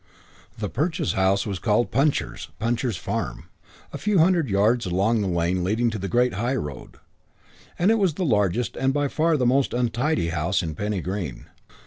VI The Perchs' house was called Puncher's Puncher's Farm, a few hundred yards along the lane leading to the great highroad and it was the largest and by far the most untidy house in Penny Green.